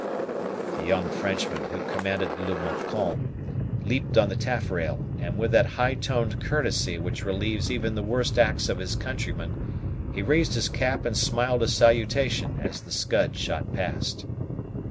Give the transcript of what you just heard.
The young Frenchman who commanded the Montcalm leaped on the taffrail; and, with that high toned courtesy which relieves even the worst acts of his countrymen, he raised his cap and smiled a salutation as the Scud shot past.